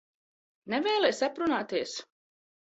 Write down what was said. Nevēlies aprunāties?